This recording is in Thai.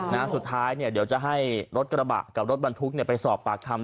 นะสุดท้ายเนี่ยเดี๋ยวจะให้รถกระบะกับรถบรรทุกเนี่ยไปสอบปากคำ